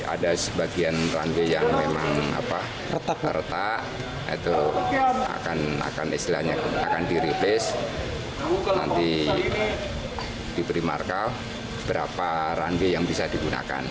ada sebagian runway yang memang retak itu akan di replace nanti diberi markah berapa runway yang bisa digunakan